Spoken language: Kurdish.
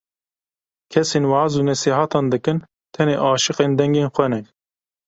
Kesên weaz û nesîhetan dikin, tenê aşiqên dengên xwe ne.